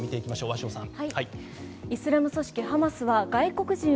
鷲尾さん。